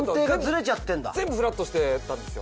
全部フラットしてたんですよ。